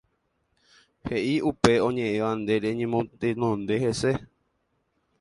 heʼi upe oñeʼẽva nde reñemotenonde hese.